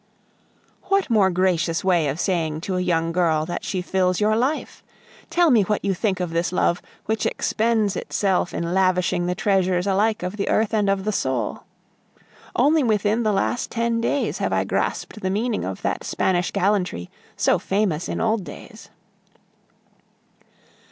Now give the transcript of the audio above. What more gracious way of saying to a young girl that she fills your life? Tell me what you think of this love, which expends itself in lavishing the treasures alike of the earth and of the soul. Only within the last ten days have I grasped the meaning of that Spanish gallantry, so famous in old days.